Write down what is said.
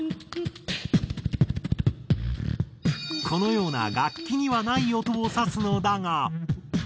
このような楽器にはない音を指すのだが。